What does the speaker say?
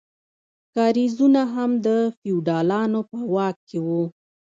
کاریزونه هم د فیوډالانو په واک کې وو.